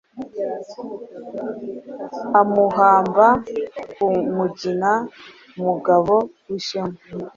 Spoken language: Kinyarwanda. Amuhamba ku mugina. Mugabo w'ishema